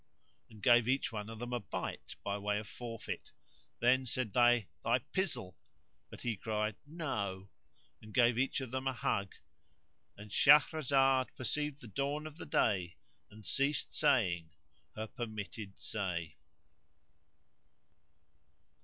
and gave each one of them a bite by way of forfeit. Then said they, "Thy pizzle!" but he cried "No," and gave each of them a hug; And Shahrazad perceived the dawn of day and ceased saying her permitted say.